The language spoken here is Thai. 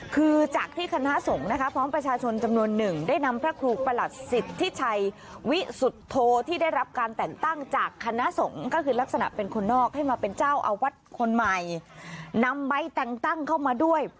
คือจากที่คณะสงฆ์นะคะพร้อมประชาชนจำนวนหนึ่งได้นำพระครูประหลัดสิทธิชัยวิสุทธโธที่ได้รับการแต่งตั้งจากคณะสงฆ์ก็คือลักษณะเป็นคนนอกให้มาเป็นเจ้าอาวาสคนใหม่นำใบแต่งตั้งเข้ามาด้วย